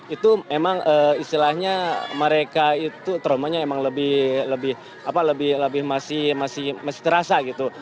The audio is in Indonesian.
itu memang istilahnya mereka itu traumanya emang lebih masih terasa gitu